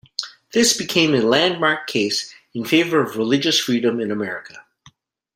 This became a landmark case in favor of religious freedom in America.